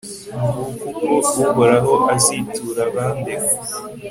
nguko uko uhoraho azitura abandega